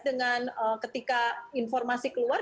dengan ketika informasi keluar